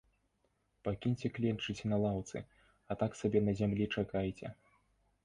Пакіньце кленчыць на лаўцы, а так сабе на зямлі чакайце.